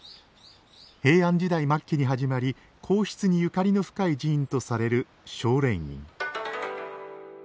平安時代末期に始まり皇室にゆかりの深い寺院とされる青蓮院。